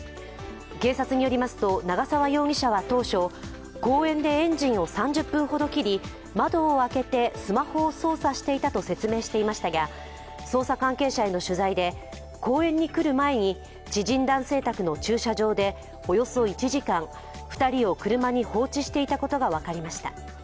警察によりますと長沢容疑者は当初、公園でエンジンを３０分ほど切り、窓を開けてスマホを操作していたと説明していましたが、捜査関係者への取材で公園に来る前に、知人男性宅の駐車場でおよそ１時間２人を車に放置していたことが分かりました。